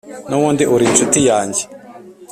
n’ubundi ur’inshuti yange